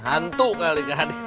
hantu kali kehadiran